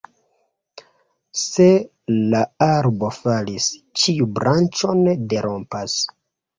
Se la arbo falis, ĉiu branĉon derompas.